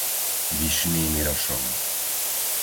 Vyšný Mirošov